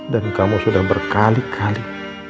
dan kamu sudah berkali kali